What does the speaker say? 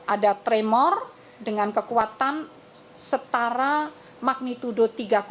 ada tremor dengan kekuatan setara magnitudo tiga